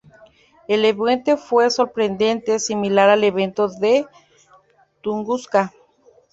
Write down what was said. El evento fue sorprendentemente similar al evento de Tunguska.